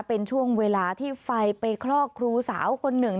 เป็นช่วงเวลาที่ไฟไปคลอกครูสาวคนหนึ่ง